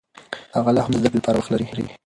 هغه لا هم د زده کړې لپاره وخت لري.